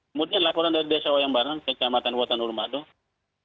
kemudian laporan dari desa wayangbarang kecamatan watanur madoh